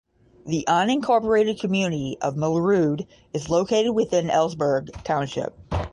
The unincorporated community of Melrude is located within Ellsburg Township.